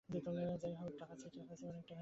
যাই হোক, টাকা চাই।